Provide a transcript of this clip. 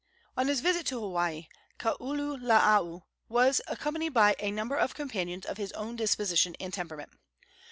On his visit to Hawaii, Kaululaau was accompanied by a number of companions of his own disposition and temperament.